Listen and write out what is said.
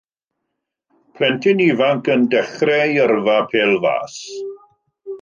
Plentyn ifanc yn dechrau ei yrfa pêl fas